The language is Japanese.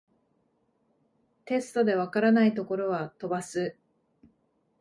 テストで解らないところは飛ばす